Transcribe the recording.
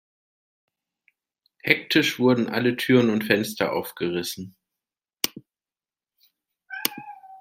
Hektisch wurden alle Türen und Fenster aufgerissen.